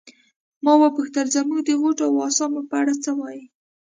ما وپوښتل زموږ د غوټو او اسامو په اړه څه وایې.